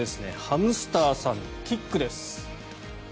ハムスターさん、キックです。